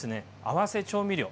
合わせ調味料。